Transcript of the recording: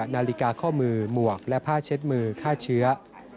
นาฬิกาข้อมือหมวกและผ้าเช็ดมือฆ่าเชื้อ